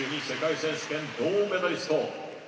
世界選手権、銅メダリスト。